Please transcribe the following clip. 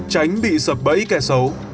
tránh bị sập bẫy kẻ xấu